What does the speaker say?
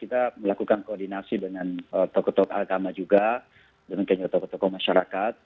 kita melakukan koordinasi dengan tokoh tokoh agama juga dengan tokoh tokoh masyarakat